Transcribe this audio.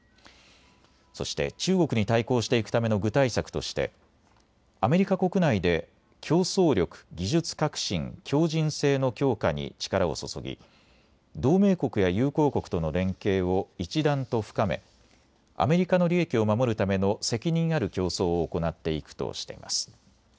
そして中国に対抗していくための具体策としてアメリカ国内で競争力、技術革新、強じん性の強化に力を注ぎ同盟国や友好国との連携を一段と深めアメリカの利益を守るための責任ある競争を行っていくとしています。